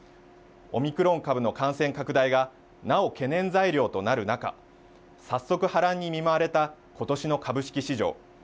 オミクロン株の感染拡大がなお懸念材料となる中、早速、波乱に見舞われたことしの株式市場。